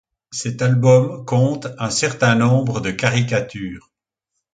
Cet album compte un certain nombre de caricatures.